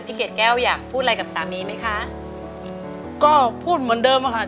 เกดแก้วอยากพูดอะไรกับสามีไหมคะก็พูดเหมือนเดิมอะค่ะ